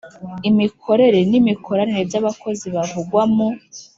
Imikorere n imikoranire by abakozi bavugwa mu